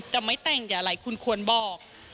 จะไม่แต่งอย่าอะไรคุณควรบอก